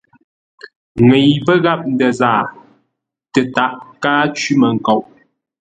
Ŋəi pə́ gháp ndə̂ zaa tətaʼ káa cwí-mənkoŋ.